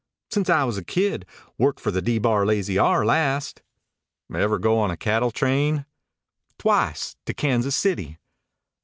"Since I was a kid. Worked for the D Bar Lazy R last." "Ever go on a cattle train?" "Twice to Kansas City."